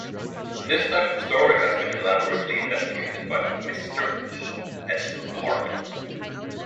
This type of story has been elaborately investigated by Mr. E. S. Hartland.